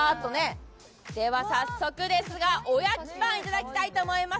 早速ですが、おやきパンいただきたいと思います。